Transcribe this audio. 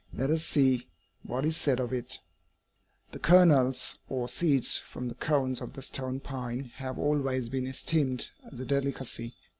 Let us see what is said of it: "'The kernels, or seeds, from the cones of the stone pine have always been esteemed as a delicacy.